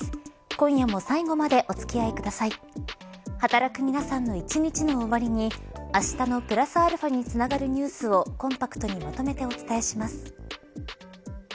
今夜も最後まで働く皆さんの一日の終わりにあしたのプラスαにつながるニュースをコンパクトにまとめてお伝えします。